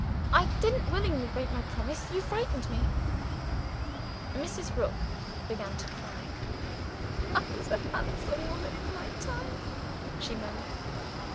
"I didn't willfully break my promise; you frightened me." Mrs. Rook began to cry. "I was a handsome woman in my time," she murmured.